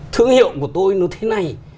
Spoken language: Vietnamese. thương hiệu của tôi nó thế này